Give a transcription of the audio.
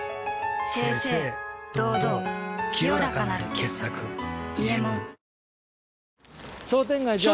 清々堂々清らかなる傑作「伊右衛門」商店街か。